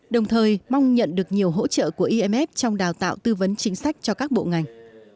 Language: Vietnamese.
đồng thời mong nhận được nhiều hỗ trợ của imf trong đào tạo tư vấn chính sách cho các bộ ngành